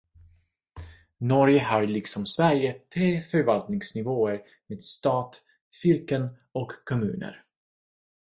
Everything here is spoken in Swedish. Norge har liksom Sverige tre förvaltningsnivåer med stat, fylken och kommuner.